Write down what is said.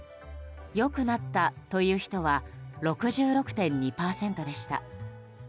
良くなったという人は６６．２％でした。